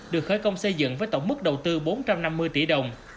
được khởi công xây dựng với tổng mức đầu tư bốn trăm năm mươi tỷ đồng